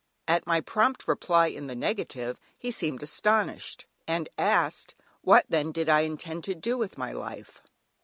At my prompt reply in the negative he seemed astonished, and asked, what then did I intend to do with my life?